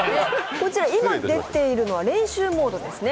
こちら、今出ているのは練習モードですね。